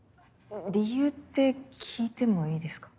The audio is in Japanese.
理由って聞いてもいいですか？